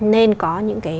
nên có những cái